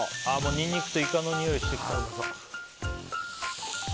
ニンニクとイカのにおいがしてきた。